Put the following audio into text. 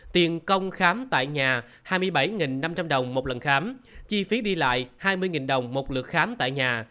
tiền công khám tại nhà hai mươi bảy năm trăm linh đồng một lần khám chi phí đi lại hai mươi đồng một lượt khám tại nhà